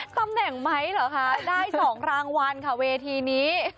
ตำแหน่งไหมเหรอคะได้๒รางวัลค่ะเวทีนี้